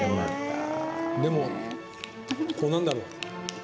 でも、なんだろう。